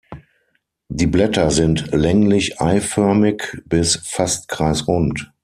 Die Blätter sind länglich-eiförmig bis fast kreisrund.